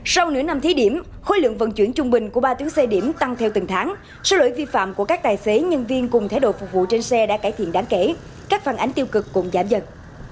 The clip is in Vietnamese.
sau nửa năm thí điểm khối lượng vận chuyển trung bình của ba tiếng xe điểm tăng theo từng tháng số lỗi vi phạm của các tài xế nhân viên cùng thái độ phục vụ trên xe đã cải thiện đáng kể các phản ánh tiêu cực cũng giảm dần